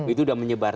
itu sudah menyebar